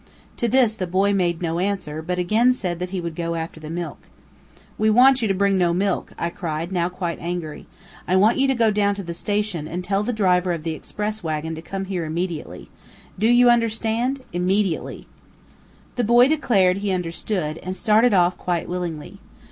To this the boy made no answer, but again said that he would go after the milk. "We want you to bring no milk," I cried, now quite angry. "I want you to go down to the station, and tell the driver of the express wagon to come here immediately. Do you understand? Immediately." The boy declared he understood, and started off quite willingly.